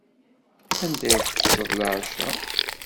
Anda teṭṭseḍ leɛca?